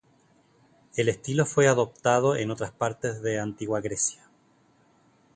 El estilo fue adoptado en otras partes de Antigua Grecia.